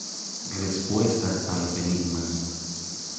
Respuesta a los enigmas.